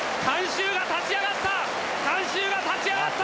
観衆が立ち上がった！